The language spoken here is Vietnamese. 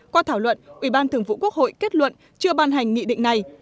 qua thảo luận ubthq kết luận chưa ban hành nghị định này